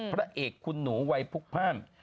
พระเอกคุณหนูวัยพุกพ่าน